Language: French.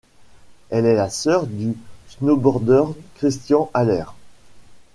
Elle est la sœur du snowboardeur Christian Haller.